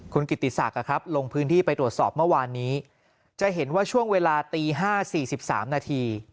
คุณกิติศักดิ์ลงพื้นที่ไปตรวจสอบเมื่อวานนี้จะเห็นว่าช่วงเวลาตี๕๔๓นาที